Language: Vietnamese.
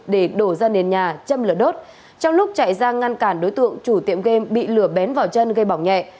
để đổ ra nền nhà châm lửa đốt trong lúc chạy ra ngăn cản đối tượng chủ tiệm game bị lửa bén vào chân gây bỏng nhẹ